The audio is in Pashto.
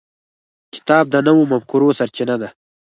کتاب د نوو مفکورو سرچینه ده.